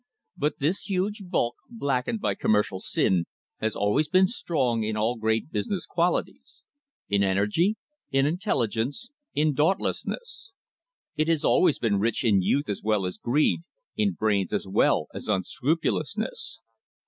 But this huge bulk, blackened by commercial sin, has always been strong in all great busi ness qualities in energy, in intelligence, in dauntlessness. It has always been rich in youth as well as greed, in brains as well as unscrupulousness.